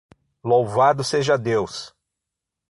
Louvado seja Deus!